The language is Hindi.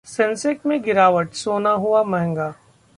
सेंसेक्स में गिरावट, सोना हुआ महंगा